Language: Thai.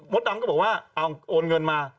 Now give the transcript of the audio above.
มดดำก็บอกว่าโอนเงินมา